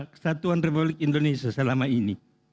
kesatuan republik indonesia selama ini